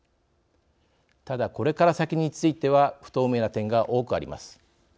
ただ、これから先については不透明な点が多くあります。